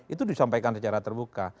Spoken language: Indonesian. itu disampaikan secara terbuka